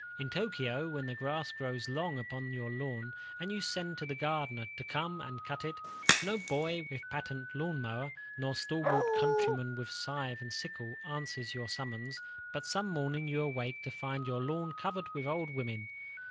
In Tōkyō, when the grass grows long upon your lawn, and you send to the gardener to come and cut it, no boy with patent lawn mower, nor stalwart countryman with scythe and sickle, answers your summons, but some morning you awake to find your lawn covered with old women.